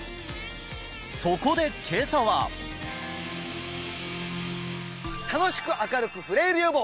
そこで今朝は楽しく明るくフレイル予防！